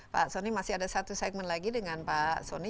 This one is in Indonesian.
pak soni masih ada satu segmen lagi dengan pak soni